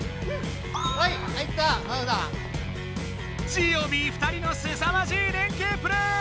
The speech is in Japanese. ジオビー２人のすさまじいれんけいプレー！